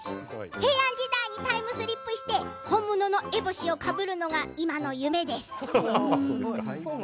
平安時代にタイムスリップして本物の烏帽子をかぶるのが夢です。